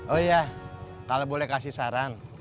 oh iya kalau boleh kasih saran